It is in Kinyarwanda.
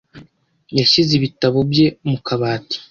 yashyize ibitabo bye mu kabati.